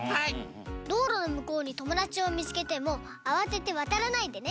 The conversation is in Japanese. どうろのむこうにともだちをみつけてもあわててわたらないでね。